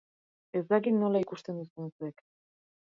Ez dakit nola ikusten duzuen zuek.